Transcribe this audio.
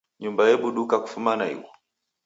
Nyumba ebuduka kufuma naighu.